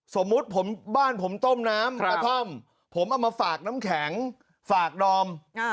สมมุติผมบ้านผมต้มน้ำกระท่อมผมเอามาฝากน้ำแข็งฝากดอม